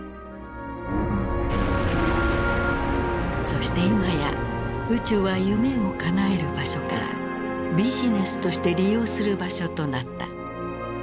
そして今や宇宙は夢をかなえる場所からビジネスとして利用する場所となった。